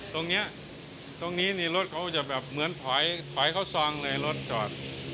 ตรงนี้ตรงนี้นี่รถเขาจะแบบเหมือนถอยถอยเขาซองเลยรถจอด